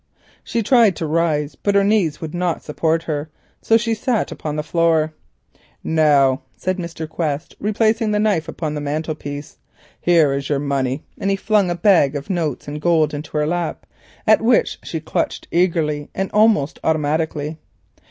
She tried to rise, but her knees would not support her, so she sat upon the floor. "Now," said Mr. Quest, replacing the knife upon the mantelpiece, "here is your money," and he flung a bag of notes and gold into her lap, at which she clutched eagerly and almost automatically.